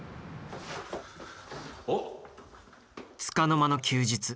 つかの間の休日。